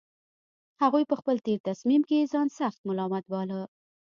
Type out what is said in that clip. هغوی په خپل تېر تصميم کې ځان سخت ملامت باله